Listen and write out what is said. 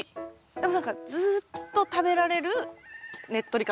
でも何かずと食べられるねっとり感と甘さ。